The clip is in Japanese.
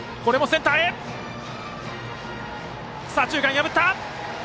左中間を破った！